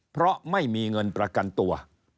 เพราะไม่มีเงินประกันตัว